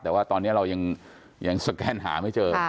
แต่ว่าตอนนี้เรายังสแกนหาไม่เจอ